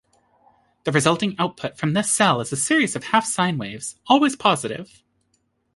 The resulting output from this cell is a series of half-sine waves, always positive.